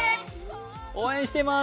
応援してます。